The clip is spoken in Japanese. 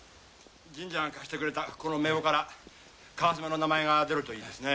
神社が貸してくれたこの名簿から川島の名前が出るといいですね。